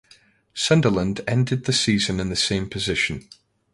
Sunderland ended the season in the same position.